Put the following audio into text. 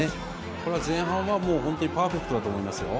これは前半はもう、本当にパーフェクトだと思いますよ。